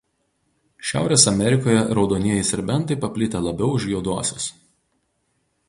Šiaurės Amerikoje raudonieji serbentai paplitę labiau už juoduosius.